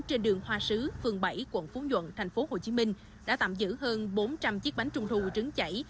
trên đường hoa sứ phường bảy quận phú nhuận tp hcm đã tạm giữ hơn bốn trăm linh chiếc bánh trung thu trứng chảy